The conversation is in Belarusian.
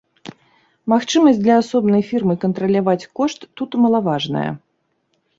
Магчымасць для асобнай фірмы кантраляваць кошт тут малаважная.